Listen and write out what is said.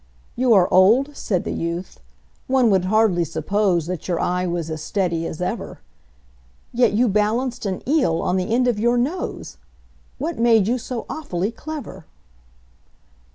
"You are old," said the youth, "one would hardly suppose That your eye was as steady as ever; Yet you balanced an eel on the end of your nose What made you so awfully clever?"